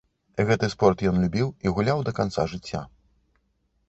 Гэты спорт ён любіў і гуляў да канца жыцця.